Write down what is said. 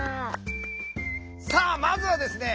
さあまずはですね